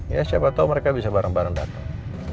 ya siapa tau mereka bisa bareng bareng dateng